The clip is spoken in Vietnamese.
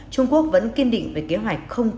trung quốc vẫn kiên định về kế hoạch không